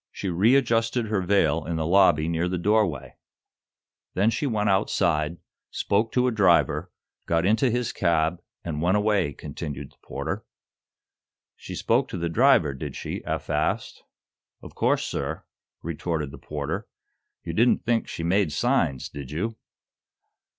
She readjusted her veil in the lobby near the doorway. "Then she went outside, spoke to a driver, got into his cab, and went away," continued the porter. "She spoke to the driver, did she?" Eph asked. "Of course, sir," retorted the porter. "You didn't think she made signs, did you?"